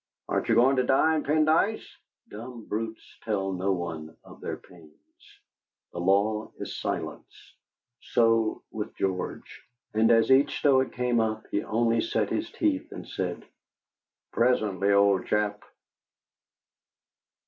"Aren't you going to dine, Pendyce?" Dumb brutes tell no one of their pains; the law is silence. So with George. And as each Stoic came up, he only set his teeth and said: "Presently, old chap."